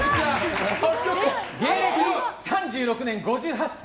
芸歴３６年５８歳。